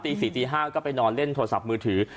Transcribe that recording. ตี๔ตี๕ก็ไปนอนเล่นโทรศัพท์มือถือ